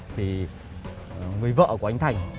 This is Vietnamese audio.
thì người vợ của anh thành